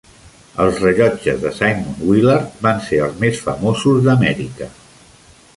Els rellotges de Simon Willard van ser els més famosos d'Amèrica.